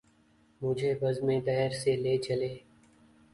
مجھے بزم دہر سے لے چلے